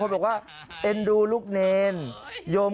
คุณผู้ชมเอ็นดูท่านอ่ะ